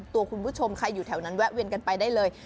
คุณผู้ชมใครอยู่แถวนั้นแวะเวียนกันไปได้เลย